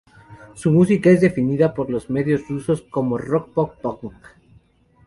Su música es definida por los medios rusos como rock-pop-punk.